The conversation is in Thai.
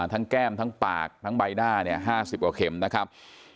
แก้มทั้งปากทั้งใบหน้าเนี่ย๕๐กว่าเข็มนะครับ